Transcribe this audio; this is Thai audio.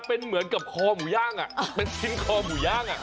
เป็นเหมือนกับคอหมูย่างเป็นชิ้นคอหมูย่าง